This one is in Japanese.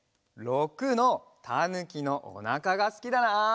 ６のたぬきのおなかがすきだな。